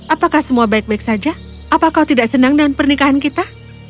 apakah semua baik baik saja apa kau tidak senang dengan pernikahan kita